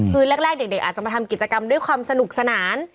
คือแรกเด็กอาจจะมาทำกิจกรรมด้วยความสนุกสนาน